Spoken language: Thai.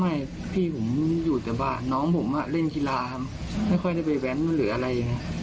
ไม่พี่ผมอยู่แต่บ้านน้องผมเล่นกีฬาครับไม่ค่อยได้ไปแว้นหรืออะไร